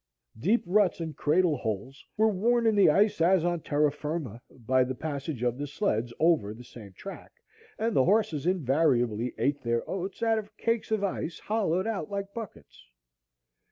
Deep ruts and "cradle holes" were worn in the ice, as on terra firma, by the passage of the sleds over the same track, and the horses invariably ate their oats out of cakes of ice hollowed out like buckets.